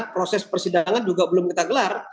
proses persidangan juga belum kita gelar